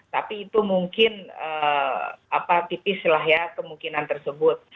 tapi itu mungkin tipislah ya kemungkinan tersebut